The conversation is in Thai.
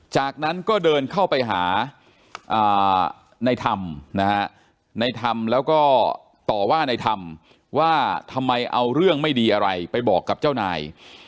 จากนั้นก็เดินเข้าไปหาในธรรมนะฮะในธรรมแล้วก็ต่อว่าในธรรมว่าทำไมเอาเรื่องไม่ดีอะไรไปบอกกับเจ้านาย